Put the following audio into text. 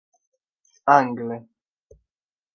angle